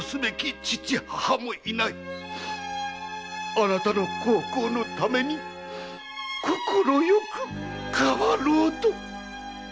「あなたの孝行のために快く代わろう」と。